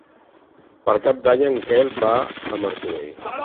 Per Cap d'Any en Quel va a Martorell.